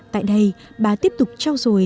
tại đây bà tiếp tục trao dồi